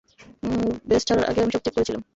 Base ছাড়ার আগে আমি সব চেক করেছিলাম।